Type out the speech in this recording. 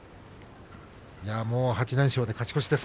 ８連勝で勝ち越しです。